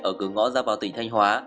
ở cửa ngõ ra vào tỉnh thanh hóa